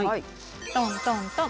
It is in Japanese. トントントン。